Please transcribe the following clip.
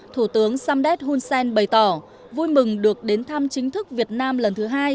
thủ tướng samdet hunsen bày tỏ vui mừng được đến thăm chính thức việt nam lần thứ hai